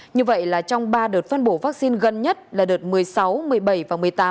như vậy là trong ba đợt phân bổ vaccine gần nhất là đợt một mươi sáu một mươi bảy và một mươi tám